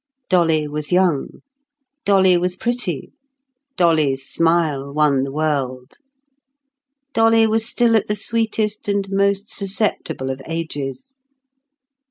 Dolly was young; Dolly was pretty; Dolly's smile won the world; Dolly was still at the sweetest and most susceptible of ages.